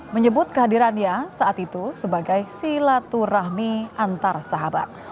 menyebut kehadirannya saat itu sebagai silaturahmi antar sahabat